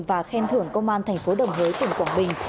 và khen thưởng công an thành phố đồng hới tỉnh quảng bình